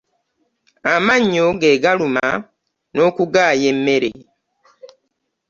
Amannyo gegaluma n'okugaaya emmere.